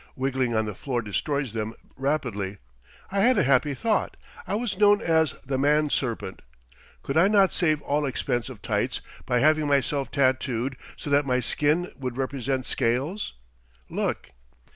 Wiggling on the floor destroys them rapidly. I had a happy thought. I was known as the Man Serpent. Could I not save all expense of tights by having myself tattooed so that my skin would represent scales? Look."